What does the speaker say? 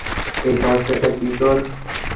এই, সমস্যাটা কী তোর?